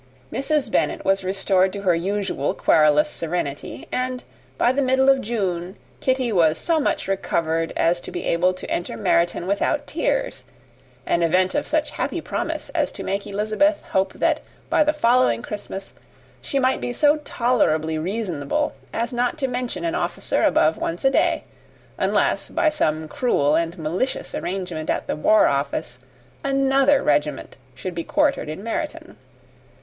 Mrs. Bennet was restored to her usual querulous serenity; and by the middle of June Kitty was so much recovered as to be able to enter Meryton without tears, an event of such happy promise as to make Elizabeth hope, that by the following Christmas she might be so tolerably reasonable as not to mention an officer above once a day, unless, by some cruel and malicious arrangement at the War Office, another regiment should be quartered in Meryton.